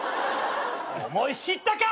思い知ったか！